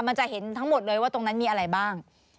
มันจะเห็นทั้งหมดเลยว่าตรงนั้นมีอะไรบ้าง